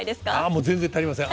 もう全然足りません。